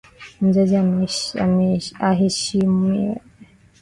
Mzazi aheshimiwe.